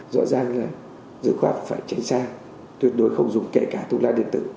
rõ ràng là dưới khoác phải tránh xa tuyệt đối không dùng kể cả thuốc lá điện tử